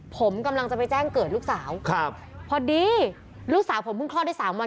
ผมกำลังจะไปแจ้งเกิดลูกสาวครับพอดีลูกสาวผมเพิ่งคลอดได้สามวัน